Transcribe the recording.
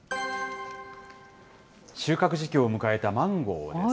収穫時期を迎えたマンゴーです。